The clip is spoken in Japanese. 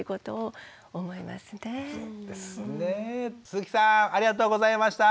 鈴木さんありがとうございました。